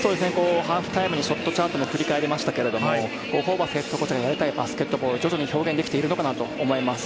ハーフタイムにショットチャートも振り返りましたが、ホーバスＨＣのやりたいバスケットボールが徐々に表現できているのかなと思います。